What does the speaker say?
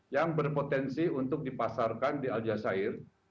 yang berpotensi untuk dipasarkan di aljazeera